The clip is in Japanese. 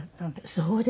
そうですね。